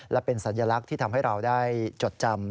และเป็นสัญลักษณ์ที่ทำให้เราได้จดจำ